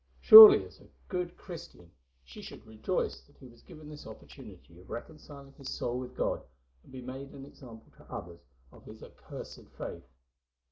Surely, as a good Christian she should rejoice that he was given this opportunity of reconciling his soul with God and be made an example to others of his accursed faith.